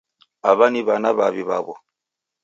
Aw'a ni w'ana na w'avi w'aw'o